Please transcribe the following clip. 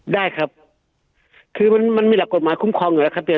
ได้ครับคือมันมีหลักกฎหมายคุ้มครองอยู่แล้วค่ะ